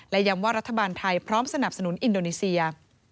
และย้ำว่ารัฐบาลไทยพร้อมสนับสนุนอินโดนีเซีย